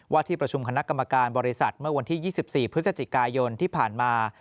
ที่ประชุมคณะกรรมการบริษัทเมื่อวันที่๒๔พฤศจิกายนที่ผ่านมา